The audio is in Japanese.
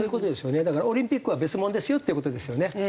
だからオリンピックは別物ですよって事ですよね。